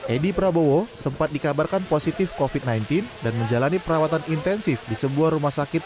edi prabowo sempat dikabarkan positif covid sembilan belas dan menjalani perawatan intensif di sebuah rumah sakit